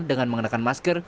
dengan menggunakan masker